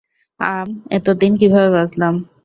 আম এতদিন কীভাবে বাঁচলাম?